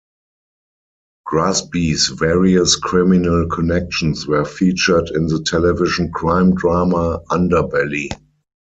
Grassby's various criminal connections were featured in the television crime drama "Underbelly".